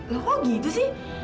lo kok gitu sih